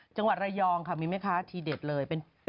จังหวัดระยองค่ะมีไหมคะทีเด็ดเลย